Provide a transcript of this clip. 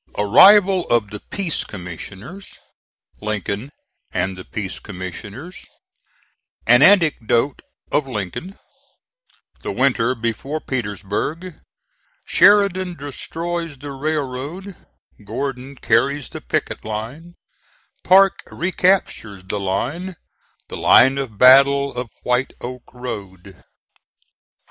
ARRIVAL OF THE PEACE COMMISSIONERS LINCOLN AND THE PEACE COMMISSIONERS AN ANECDOTE OF LINCOLN THE WINTER BEFORE PETERSBURG SHERIDAN DESTROYS THE RAILROAD GORDON CARRIES THE PICKET LINE PARKE RECAPTURES THE LINE THE LINE OF BATTLE OF WHITE OAK ROAD.